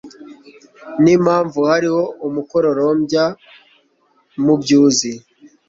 n'impamvu hariho umukororombya mu byuzi